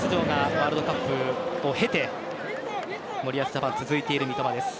スタメン出場がワールドカップを経て森保ジャパン続いている三笘です。